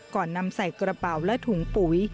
ก่อนนำใส่กระเป๋าและถุงปุ๋ย